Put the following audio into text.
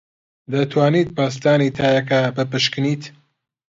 دەتوانیت پەستانی تایەکە بپشکنیت؟